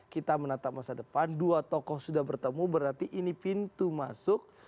kita menatap masa depan dua tokoh sudah bertemu berarti ini pintu masuk